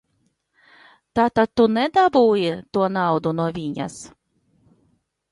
Tātad tu nedabūji to naudu no viņas?